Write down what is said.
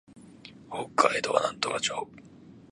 北海道羽幌町